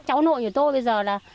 cháu nội của tôi bây giờ là